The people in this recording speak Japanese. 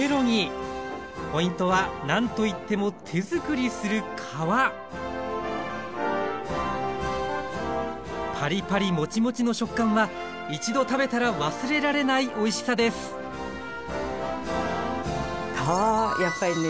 ポイントは何といっても手づくりする皮パリパリモチモチの食感は一度食べたら忘れられないおいしさです皮はやっぱりね